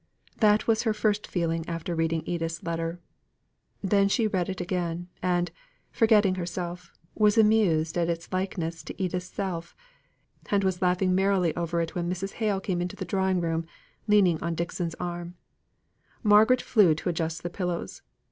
That was her first feeling after reading Edith's letter. Then she read it again, and, forgetting herself, was amused at its likeness to Edith's self, and was laughing merrily over it when Mrs. Hale came into the drawing room, leaning on Dixon's arm. Margaret flew to adjust the pillows.